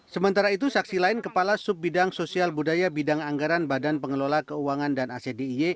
sementara itu saksi lain kepala sub bidang sosial budaya bidang anggaran badan pengelola keuangan dan acdiy